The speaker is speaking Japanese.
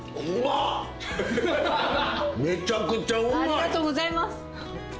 ありがとうございます！